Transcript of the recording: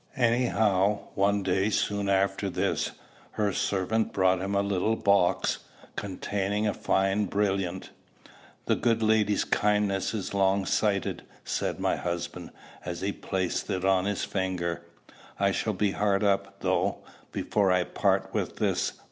Anyhow, one day soon after this, her servant brought him a little box, containing a fine brilliant. "The good lady's kindness is long sighted," said my husband, as he placed it on his finger. "I shall be hard up, though, before I part with this.